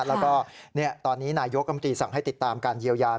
แล้วก็ตอนนี้นายกรมตรีสั่งให้ติดตามการเยียวยา